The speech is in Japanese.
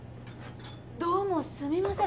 どうもすみません